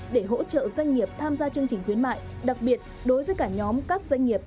để hỗ trợ doanh nghiệp tham gia chương trình khuyến mại đặc biệt đối với cả nhóm các doanh nghiệp